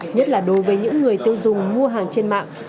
nhất là đối với những người tiêu dùng mua hàng trên mạng